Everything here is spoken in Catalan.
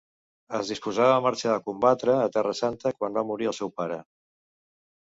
Es disposava a marxar a combatre a Terra Santa quan va morir el seu pare.